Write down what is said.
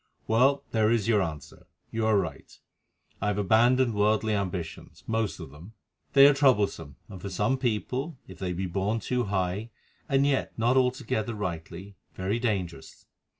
Well, there is your answer. You are right, I have abandoned worldly ambitions—most of them. They are troublesome, and for some people, if they be born too high and yet not altogether rightly, very dangerous.